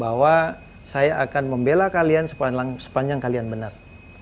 bahwa saya akan membela kalian sepanjang kalian benar